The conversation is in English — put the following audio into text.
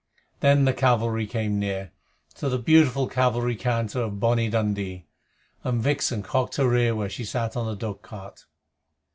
Then the cavalry came up, to the beautiful cavalry canter of "Bonnie Dundee," and Vixen cocked her ear where she sat on the dog cart.